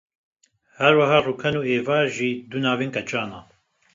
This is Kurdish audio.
Herwiha Rûken û Êvar jî dû navên keçan e